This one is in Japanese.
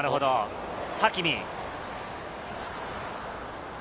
ハキミ！